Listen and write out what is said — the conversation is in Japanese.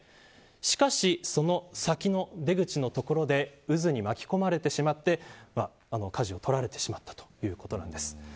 しかし、その先の出口の所で渦に巻き込まれてしまってかじを取られてしまったということなんです。